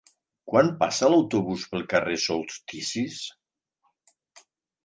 Quan passa l'autobús pel carrer Solsticis?